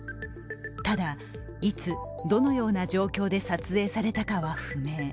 ただ、いつ、どのような状況で撮影されたかは不明。